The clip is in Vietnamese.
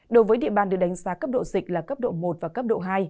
đối với địa bàn được đánh giá cấp độ dịch là cấp độ một và cấp độ hai